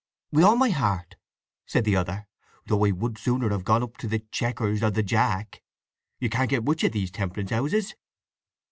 "With all my heart," said the other. "Though I would sooner have put up at the Chequers or The Jack. You can't get much at these temperance houses."